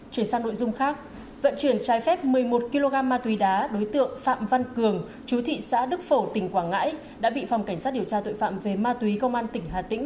chuyển sang nội dung khác vận chuyển trái phép một mươi một kg ma túy đá đối tượng phạm văn cường chú thị xã đức phổ tỉnh quảng ngãi đã bị phòng cảnh sát điều tra tội phạm về ma túy công an tỉnh hà tĩnh